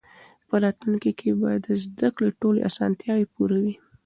په راتلونکي کې به د زده کړې ټولې اسانتیاوې پوره وي.